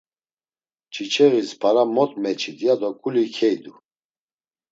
Çiçeğis para mot meçit ya do ǩuli keydu.